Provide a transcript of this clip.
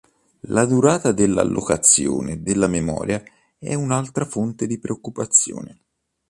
La durata dell'allocazione della memoria è un'altra fonte di preoccupazione.